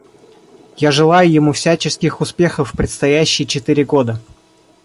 Я желаю ему всяческих успехов в предстоящие четыре года.